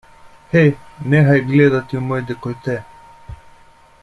Hej, nehaj gledati v moj dekolte!